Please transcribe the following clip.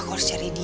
aku harus cari dia